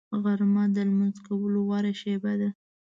غرمه د لمونځ کولو غوره شېبه ده